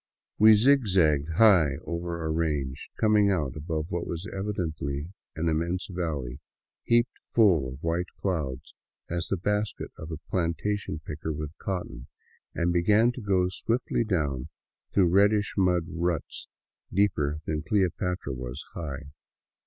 We zigzagged high over a range, coming out above what was evi dently an immense valley, heaped full of white clouds as the basket of a plantation picker with cotton, and began to go swiftly down through reddish mud ruts deeper than " Cleopatra " was high.